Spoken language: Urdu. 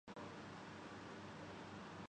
بجلی نہیں چمکتی تو رک جاتا ہے۔